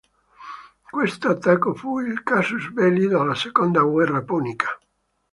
Questo attacco fu il "casus belli" della seconda guerra punica.